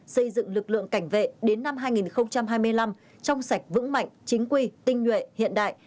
xây dựng lực lượng cảnh vệ đến năm hai nghìn hai mươi năm trong sạch vững mạnh chính quy tinh nhuệ hiện đại